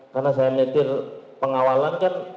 karena saya menyetir pengawalan kan